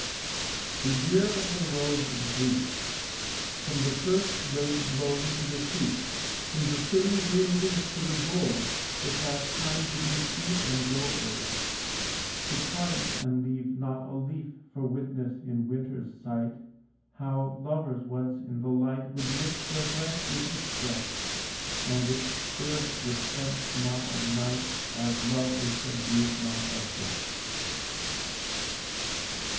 The year of the rose is brief; From the first blade blown to the sheaf, From the thin green leaf to the gold, It has time to be sweet and grow old, To triumph and leave not a leaf For witness in winter's sight How lovers once in the light Would mix their breath with its breath, And its spirit was quenched not of night, As love is subdued not of death.